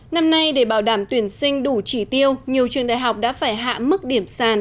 năm nay để bảo đảm tuyển sinh đủ trí tiêu nhiều trường đại học đã phải hạ mức điểm sàn